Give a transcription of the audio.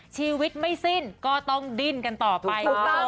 ชีวิตไม่สิ้นก็ต้องดิ้นกันต่อไป